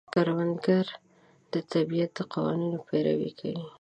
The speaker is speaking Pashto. کروندګر د طبیعت د قوانینو پیروي کوي